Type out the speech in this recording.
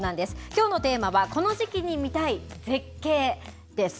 きょうのテーマは、この時期に見たい絶景です。